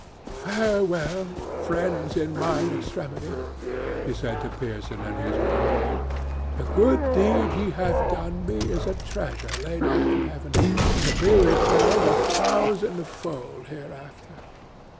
"Farewell, friends in mine extremity," she said to Pearson and his wife; "the good deed ye have done me is a treasure laid up in heaven, to be returned a thousandfold hereafter.